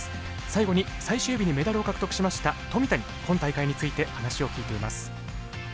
最後に最終日にメダルを獲得しました富田に今大会について話を聞いています。